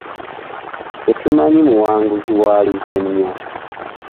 Tetumanyi muwanguzi waluzannya.